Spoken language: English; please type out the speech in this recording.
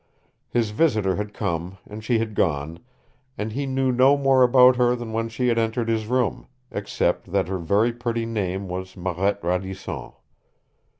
His visitor had come, and she had gone, and he knew no more about her than when she had entered his room, except that her very pretty name was Marette Radisson.